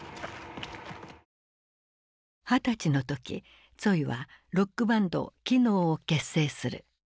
二十歳の時ツォイはロックバンドキノーを結成する。